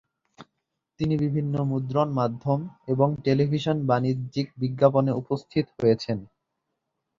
তিনি বিভিন্ন মুদ্রণ মাধ্যম এবং টেলিভিশন বাণিজ্যিক বিজ্ঞাপনে উপস্থিত হয়েছেন।